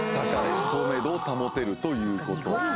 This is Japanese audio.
透明度を保てるということ。